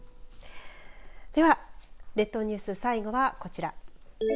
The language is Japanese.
では列島ニュース最後はこちら。